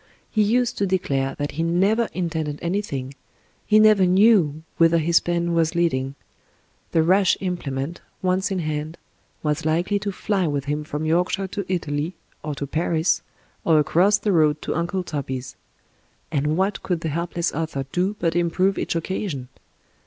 He used to declare that he never intended anything — ^he never knew whither his pen was leading — ^the rash implement, once in hand, was likely to fly with him from Yorkshire to Italy— or to Paris^ or across the road to Uncle Toby's ; and what cotdd the helpless author do but improve each occasion